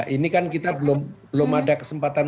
ini kan kita belum ada kesempatan